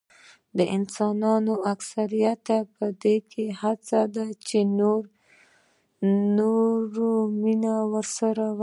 د انسانانو اکثریت په دې هڅه کې دي چې نور مینه ورسره ولري.